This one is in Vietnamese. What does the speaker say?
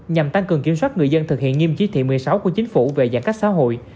nhằm tăng cường kiểm soát người dân thực hiện nghiêm chí thị một mươi sáu của chính phủ về giãn cách xã hội